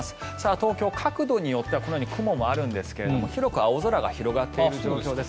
東京、角度によってはこのように雲もあるんですが広く青空が広がっている状況です。